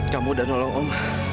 kamu udah nolong om